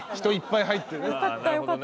人いっぱい入ってね。